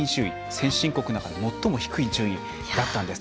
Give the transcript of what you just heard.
先進国の中で最も低い順位だったんです。